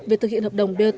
về thực hiện hợp đồng bot